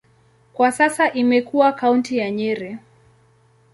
Kwa sasa imekuwa kaunti ya Nyeri.